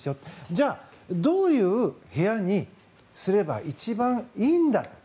じゃあ、どういう部屋にすれば一番いいんだ。